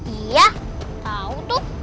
iya tau tuh